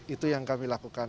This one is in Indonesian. itu yang kami lakukan